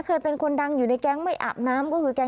เคยเป็นคนดังอยู่ในแก๊งไม่อาบน้ำ